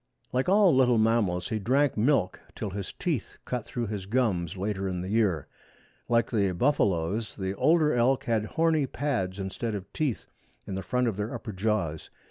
Like all little mammals he drank milk till his teeth cut through his gums later in the year. Like the buffaloes the older elk had horny pads instead of teeth in the front of their upper jaws.